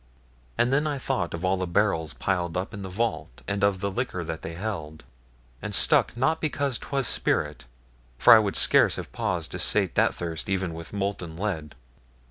And then I thought of all the barrels piled up in the vault and of the liquor that they held; and stuck not because 'twas spirit, for I would scarce have paused to sate that thirst even with molten lead.